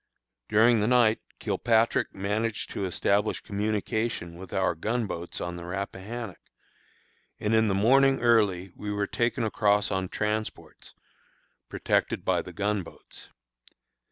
During the night Kilpatrick managed to establish communication with our gun boats on the Rappahannock, and in the morning early we were taken across on transports, protected by the gun boats.